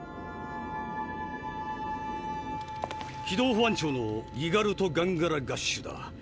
軌道保安庁のギガルト・ガンガラガッシュだ。